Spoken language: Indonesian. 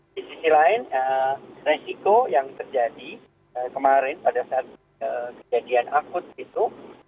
di sisi lain resiko yang terjadi kemarin pada saat kejadian akut itu